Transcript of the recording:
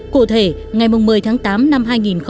cụ thể ngày một mươi tháng tám năm hai nghìn bốn